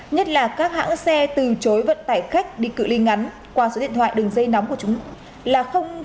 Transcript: nhất là các hãng xe từ chối vận tải khách đi cự ly ngắn qua số điện thoại đường dây nóng của chúng là chín trăm bảy mươi ba bảy trăm linh chín nghìn chín trăm tám mươi tám